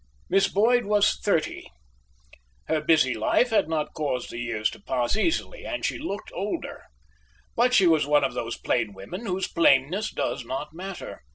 Miss Boyd was thirty. Her busy life had not caused the years to pass easily, and she looked older. But she was one of those plain women whose plainness does not matter.